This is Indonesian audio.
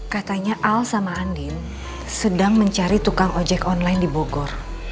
katanya al sama andin sedang mencari tukang ojek online di bogor